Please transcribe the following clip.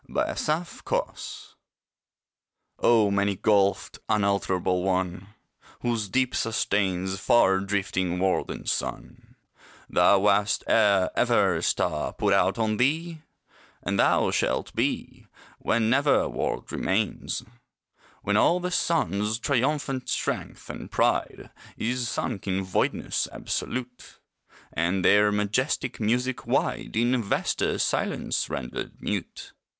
ODE TO THE ABYSS O many gulfed, unalterable one, Whose deep sustains Far drifting world and sun, Thou wast ere ever star put out on thee; And thou shalt be When never world remains; When all the suns' triumphant strength and pride Is sunk in voidness absolute, And their majestic music wide In vaster silence rendered mute.